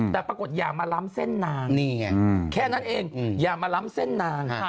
แต่ปรากฏอย่ามาล้ำเส้นนางนี่ไงแค่นั้นเองอย่ามาล้ำเส้นนาง